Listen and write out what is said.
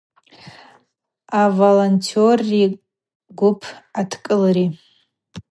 Аволонтерри гвып адкӏылри.